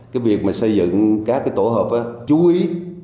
cái việc mà xây dựng các cái tổ hợp chú ý